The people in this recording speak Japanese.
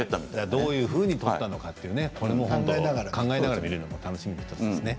どういうふうに撮ったのか考えながら見るのも楽しみですね。